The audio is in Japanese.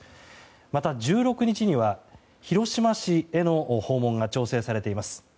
また、１６日には広島市への訪問が調整されています。